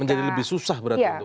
menjadi lebih susah berarti untuk